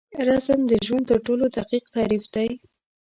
رزم د ژوند تر ټولو دقیق تعریف دی.